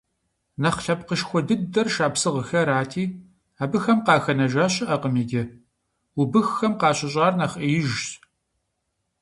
Нэхъ лъэпкъышхуэ дыдэр шапсыгъхэрати, абыхэм къахэнэжа щыӀэкъым иджы, убыххэм къащыщӀар нэхъ Ӏеижщ.